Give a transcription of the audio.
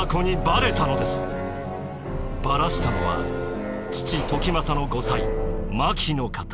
バラしたのは父時政の後妻牧の方。